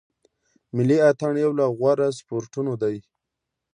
ملي اټن یو له غوره سپورټو دی.